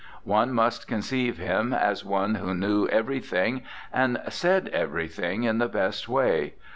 One must conceive him as one who knew everything and said everything in the best way.